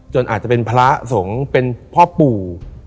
อาจจะเป็นพระสงฆ์เป็นพ่อปู่